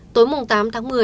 tối tám tháng một mươi